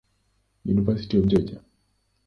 University of Georgia.